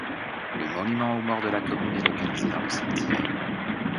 Le monument aux morts de la commune est localisé dans le cimetière.